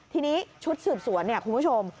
ทีนี้ชุดสืบสวนเนี่ยคุณผู้ชม